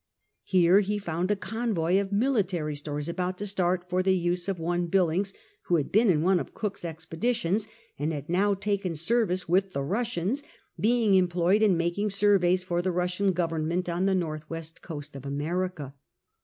Here he found a convoy of military stores about to start for the use of one Billings, who had been on one of Cook's expeditions and had now taken service with the Kussians, being employed in making surveys for the Russian Government on the north west coast of America.